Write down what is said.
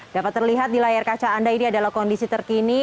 dapat terlihat di layar kaca anda ini adalah kondisi terkini